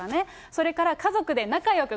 それから家族で仲よく。